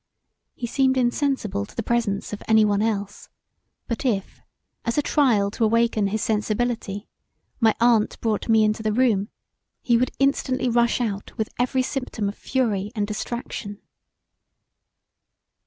He seemed insensible to the presence of any one else, but if, as a trial to awaken his sensibility, my aunt brought me into the room he would instantly rush out with every symptom of fury and distraction.